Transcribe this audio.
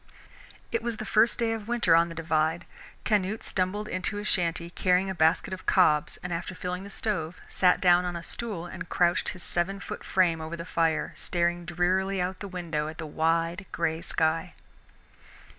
It was the first day of winter on the Divide. Canute stumbled into his shanty carrying a basket of cobs, and after filling the stove, sat down on a stool and crouched his seven foot frame over the fire, staring drearily out of the window at the wide gray sky.